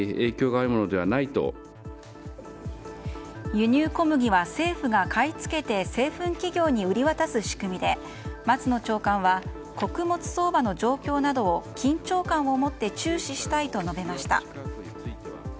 輸入小麦は政府が買い付けて製粉企業に売り渡す仕組みで松野長官は穀物相場の状況などを緊張感を持って注視したいと述べました。